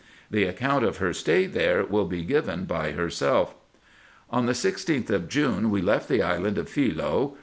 The account of her stay there will be given by herself. On the 16th of June we left the island of Philce.